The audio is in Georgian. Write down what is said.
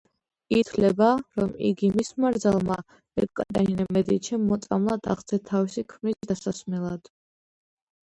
ითვლება, რომ იგი მისმა რძალმა, ეკატერინე მედიჩიმ მოწამლა ტახტზე თავისი ქმრის დასასმელად.